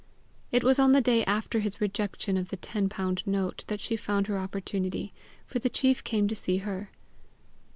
It was on the day after his rejection of the ten pound note that she found her opportunity, for the chief came to see her.